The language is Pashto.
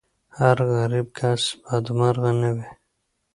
هر غریب کس بدمرغه نه وي.